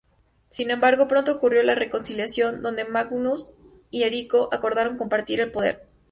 Sin embargo, pronto ocurrió la reconciliación, donde Magnus y Erico acordaron compartir el poder.